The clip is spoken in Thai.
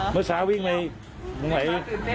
เมื่อเช้าวิ่งไปตรงไหน